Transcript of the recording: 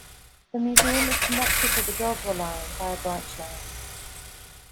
The museum is connected to the Dovre Line by a branch line.